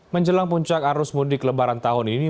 menjelang puncak arus mudik lebaran tahun ini